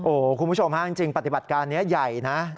โอ้โหคุณผู้ชมฮะจริงปฏิบัติการนี้ใหญ่นะ